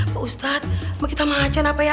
pak ustadz mau kita mengacan apa ya